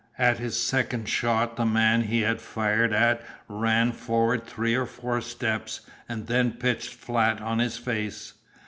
At his second shot the man he had fired at ran forward three or four steps, and then pitched flat on his face.